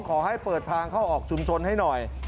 ขอให้เปิดทางเข้าออกชุมชนให้หน่อย